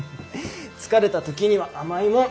疲れた時には甘いもん。